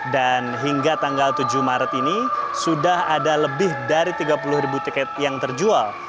dan hingga tanggal tujuh maret ini sudah ada lebih dari tiga puluh ribu tiket yang terjual